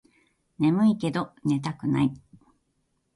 ねむいけど寝たくない